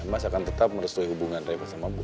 mas akan tetap merestui hubungan reva sama boy